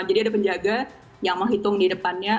jadi ada penjaga yang menghitung di depannya